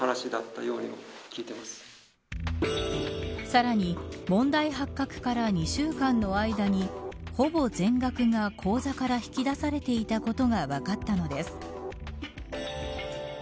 さらに問題発覚から２週間の間にほぼ全額が、口座から引き出されていたことが分かったのです。